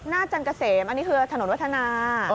จันเกษมอันนี้คือถนนวัฒนา